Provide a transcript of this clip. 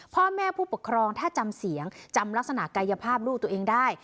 พ่อแม่ผู้ปกครองถ้าจำเสียงจำลักษณะกายภาพลูกตัวเองได้